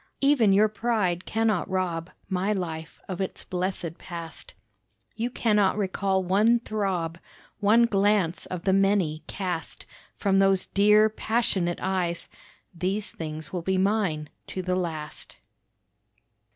Even your pride cannot rob My life of its blessed past; You cannot recall one throb, One glance of the many cast From those dear, passionate eyes; These things will be mine to the last.